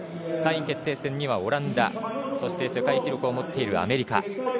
３位決定戦にはオランダそして世界記録を持っているアメリカ。